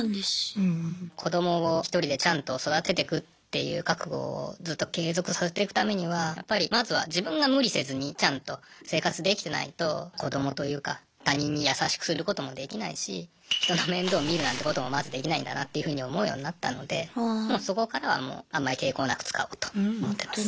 子どもをひとりでちゃんと育ててくっていう覚悟をずっと継続させてくためにはやっぱりまずは自分が無理せずにちゃんと生活できてないと子どもというか他人に優しくすることもできないし人の面倒見るなんてこともまずできないんだなっていうふうに思うようになったのでそこからはもうあんまり抵抗なく使おうと思ってます。